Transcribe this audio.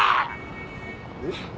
えっ？